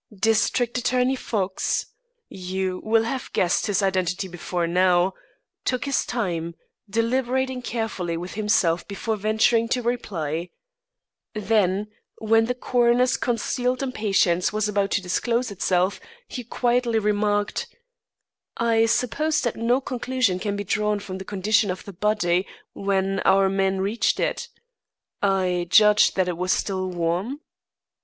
District Attorney Fox (you will have guessed his identity before now) took his time, deliberating carefully with himself before venturing to reply. Then when the coroner's concealed impatience was about to disclose itself, he quietly remarked: "I suppose that no conclusion can be drawn from the condition of the body when our men reached it. I judge that it was still warm."